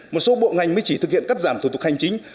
một số bộ ngành mới chỉ thực hiện cắt giảm thủ tục hành chính